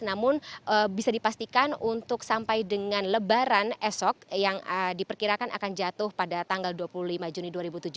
namun bisa dipastikan untuk sampai dengan lebaran esok yang diperkirakan akan jatuh pada tanggal dua puluh lima juni dua ribu tujuh belas